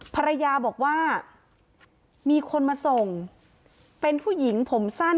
ภรรยาบอกว่ามีคนมาส่งเป็นผู้หญิงผมสั้น